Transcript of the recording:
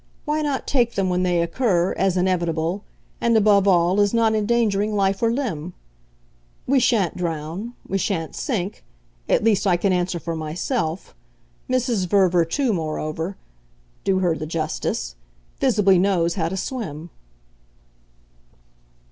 Why not take them, when they occur, as inevitable and, above all, as not endangering life or limb? We shan't drown, we shan't sink at least I can answer for myself. Mrs. Verver too, moreover do her the justice visibly knows how to swim."